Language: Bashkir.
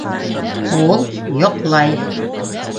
Ул йоҡлай...